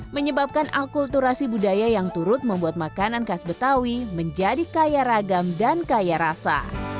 menyebabkan akulturasi budaya yang turut membuat makanan khas betawi menjadi kaya ragam dan kaya rasa